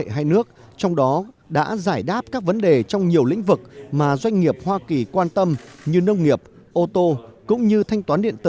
hãy đăng ký kênh để nhận thông tin nhất